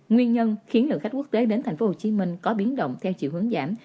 nguyên nhân khiến lượng khách quốc tế đến tp hcm có biến động theo chiều hướng giảm